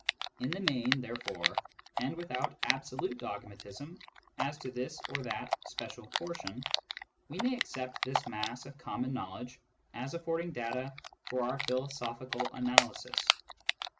In the main, therefore, and without absolute dogmatism as to this or that special portion, we may accept this mass of common knowledge as affording data for our philosophical analysis.